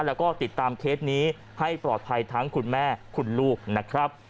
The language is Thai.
แล้วก็ติดตามเคสนี้ให้ปลอดภัยทั้งคุณแม่คุณลูกนะครับ